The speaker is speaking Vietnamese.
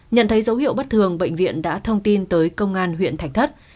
nhận thấy dấu hiệu bất thường bệnh viện đã thông tin tới công an huyện thạch thất